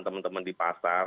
teman teman di pasar